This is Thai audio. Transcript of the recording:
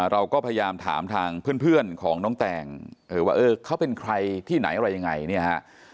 เราก็พยายามถามทางเพื่อนของน้องแต่งเขาเป็นใครที่ไหนอะไรยังไง